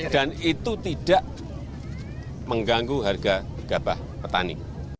dan itu tidak mengganggu harga gabah petani